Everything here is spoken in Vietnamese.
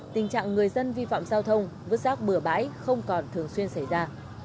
tình trạng người dân vi phạm giao thông vứt giác bửa bãi không còn thường xuyên xảy ra